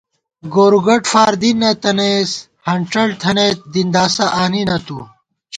گورُو گٹ فار دی نہ تنَئیس ہنڄڑ تھنَئیت دِنداسہ آنی نہ تُو